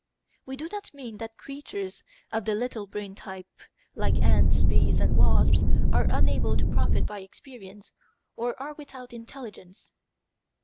We do not mean that creatures of the little brain type, like ants, bees, and wasps, are unable to profit by experience or are without intelligence.